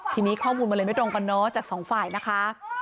ทีนี้ข้อมูลมันเลยไม่ตรงกันเนอะจากสองฝ่ายนะคะ